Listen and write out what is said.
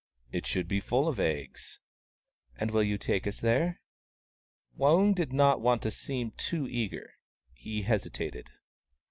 " It should be full of eggs." " And you will take us there ?" Waung did not want to seem too eager. He hesitated.